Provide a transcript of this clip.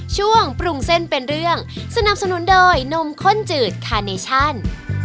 ช่วงปรุงเส้นเป็นเรื่องสนับสนุนโดยนมข้นจืดคาเนชั่น